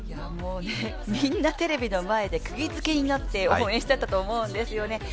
もう、みんなテレビの前で釘付けになって応援してたと思うんですよね。